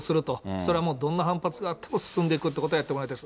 それはもう、どんな反発があっても進んでいくっていうことはやってもらいたいです。